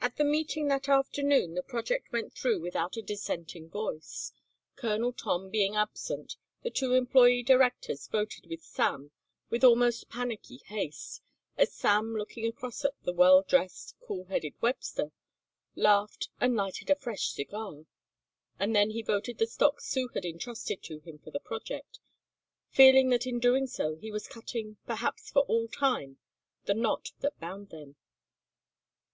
At the meeting that afternoon the project went through without a dissenting voice. Colonel Tom being absent, the two employé directors voted with Sam with almost panicky haste as Sam looking across at the well dressed, cool headed Webster, laughed and lighted a fresh cigar. And then he voted the stock Sue had intrusted to him for the project, feeling that in doing so he was cutting, perhaps for all time, the knot that bound them.